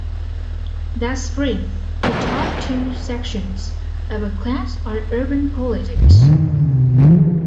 That spring, he taught two sections of a class on urban politics.